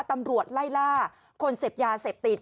ตำรวจไล่ล่าคนเสพยาเสพติด